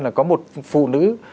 là có một phụ nữ